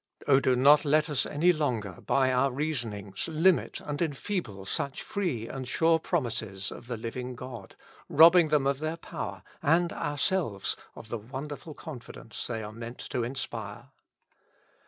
O do not let us any longer by our reason ings limit and enfeeble such free and sure promises of the living God, robbing them of their power, and ourselves of the wonderful confidence they are meant to inspire.